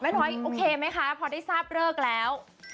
น้อยโอเคไหมคะพอได้ทราบเลิกแล้ว